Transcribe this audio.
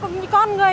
đúng đúng rồi